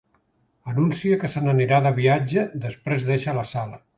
Anuncia que se n'anirà de viatge, després deixa la sala.